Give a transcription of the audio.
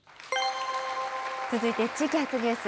続いて、地域発ニュース。